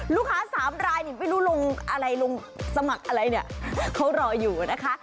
สามรายนี่ไม่รู้ลงอะไรลงสมัครอะไรเนี่ยเขารออยู่นะคะ